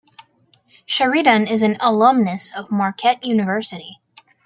Sheridan is an alumnus of Marquette University.